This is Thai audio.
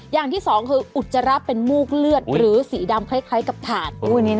อย่างที่สองคืออุจจาระเป็นมูกเลือดหรือสีดำคล้ายกับถาด